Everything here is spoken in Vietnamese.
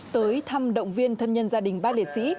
tới thăm động viên thân nhân gia đình ba liệt sĩ